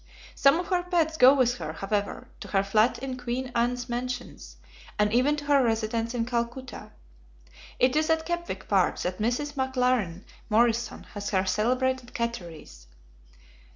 Some of her pets go with her, however, to her flat in Queen Anne's Mansions, and even to her residence in Calcutta. It is at Kepwick Park that Mrs. McLaren Morrison has her celebrated "catteries."